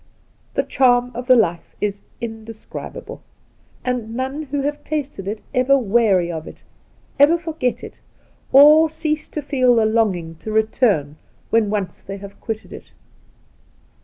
The charm of the life is indescribable, and none who have tasted it ever weary of it,' ever forget it, or cease to feel the longing to return when once they have quitted it.